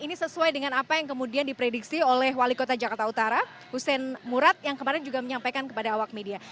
ini sesuai dengan apa yang kemudian diprediksi oleh wali kota jakarta utara hussein murad yang kemarin juga menyampaikan kepada awak media